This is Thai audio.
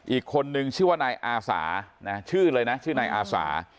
อีกคนนึงชื่อว่านายอาสาชื่อเลยนะชื่อนายอาสา